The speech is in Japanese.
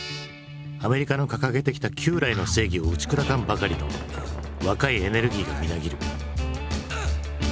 アメリカの掲げてきた旧来の正義を打ち砕かんばかりの若いエネルギーでみなぎる。